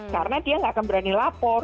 karena dia nggak akan berani lapor